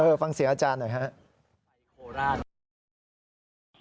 เออฟังเสียอาจารย์หน่อยครับ